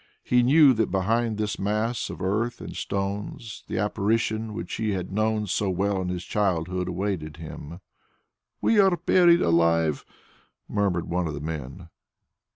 He knew that behind this mass of earth and stones the Apparition which he had known so well in his childhood awaited him. "We are buried alive!" murmured one of the men.